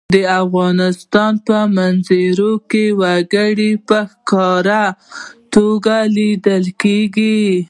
د افغانستان په منظره کې وګړي په ښکاره توګه لیدل کېږي.